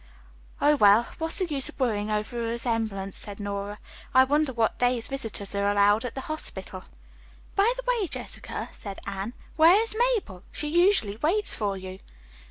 "Oh, well, what's the use of worrying over a resemblance," said Nora. "I wonder what days visitors are allowed at the hospital." "By the way, Jessica," said Anne, "where is Mabel! She usually waits for you."